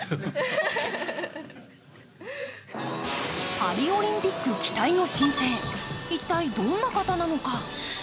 パリオリンピック期待の新星、一体どんな方なのか？